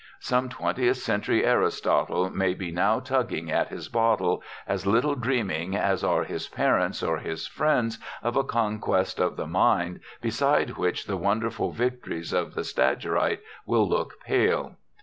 Some twentieth century Aristotle may be now tugging at his bottle, as little dreaming as are his parents or his friends of a conquest of the mind, beside which the wonderful victories of the Stagirite will look pale.